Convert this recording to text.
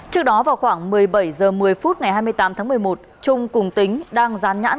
trước đó vào khoảng một mươi bảy h một mươi phút ngày hai mươi tám tháng một mươi một trung cùng tính đang dán nhãn